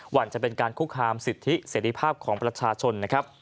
หวั่นจะเป็นการคุกคามสิทธิเสียดีภาพของประชาชน